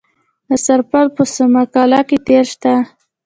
د سرپل په سوزمه قلعه کې تیل شته.